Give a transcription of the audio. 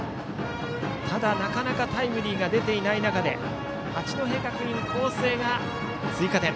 ただ、なかなかタイムリーが出ていない中で八戸学院光星が追加点。